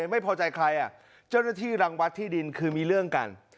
ไม่พอใจใครเจ้าหน้าที่รังวัดที่ดินคือมีเรื่องกัน